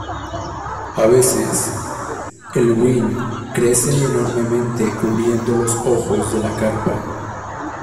A veces el wen crece enormemente cubriendo los ojos de la carpa.